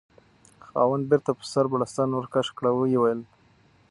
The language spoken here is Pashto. خاوند: بیرته په سر بړستن ورکش کړه، ویې ویل: